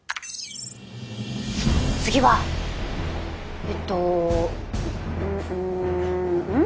次はえっとんっ